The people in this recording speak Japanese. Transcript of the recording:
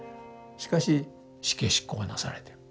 しかし死刑執行がなされている。